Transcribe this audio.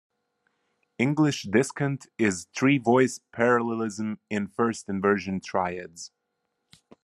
English discant is three-voice parallelism in first-inversion triads.